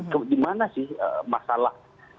kemana sih masalah